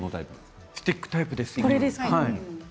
スティックタイプです。